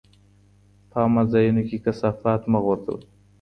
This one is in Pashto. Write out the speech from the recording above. په عامه ځایونو کې کثافات مه غورځوئ.